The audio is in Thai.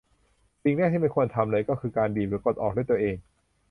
สิ่งแรกที่ไม่ควรทำเลยก็คือการบีบ หรือกดออกด้วยตัวเอง